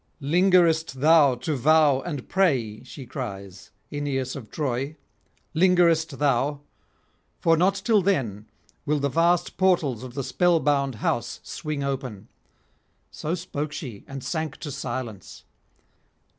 'Lingerest thou to vow and pray,' she cries, 'Aeneas of Troy? lingerest thou? for not till then will the vast portals of the spellbound house swing open.' So spoke she, and sank to silence.